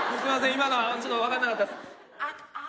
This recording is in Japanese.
今のはちょっと分かんなかったっす。